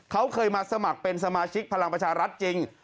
เขาเคยมาสมัครเป็นสมาชิกพลังประชารัฐจริง